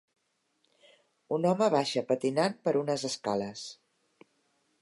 Un home baixa patinant per unes escales.